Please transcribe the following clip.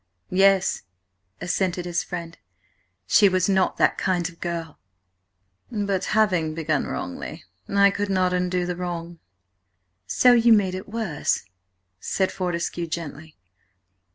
"Yes," assented his friend. "She was not–that kind of girl." "But having begun wrongly–I could not undo the wrong." "So you made it worse," said Fortescue gently.